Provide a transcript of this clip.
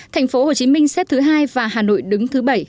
thành phố hồ chí minh xếp thứ hai và hà nội đứng thứ bảy